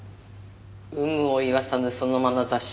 有無を言わさぬそのまなざし。